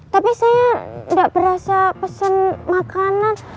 tapi saya tidak berasa pesen makanan